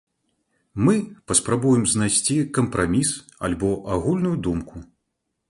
Мы паспрабуем знайсці кампраміс альбо агульную думку.